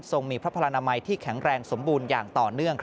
มีพระพลนามัยที่แข็งแรงสมบูรณ์อย่างต่อเนื่อง